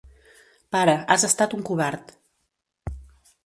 Pare, has estat un covard.